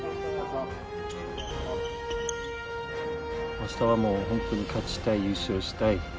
あしたはもう本当に勝ちたい、本当に優勝したい。